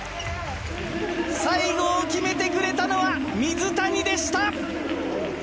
最後を決めてくれたのは水谷でした！